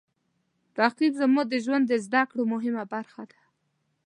رقیب زما د ژوند د زده کړو مهمه برخه ده